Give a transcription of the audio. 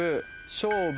勝負。